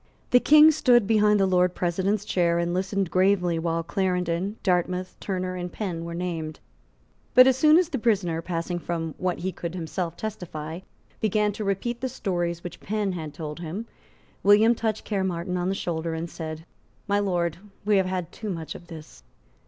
The King stood behind the Lord President's chair and listened gravely while Clarendon, Dartmouth, Turner and Penn were named. But as soon as the prisoner, passing from what he could himself testify, began to repeat the stories which Penn had told him, William touched Caermarthen on the shoulder and said, "My Lord, we have had too much of this."